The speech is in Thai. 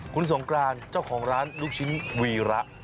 คุณสงกรานเจ้าของร้านลูกชิ้นวีระ